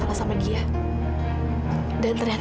kamu harus mencari kejadian yang lebih baik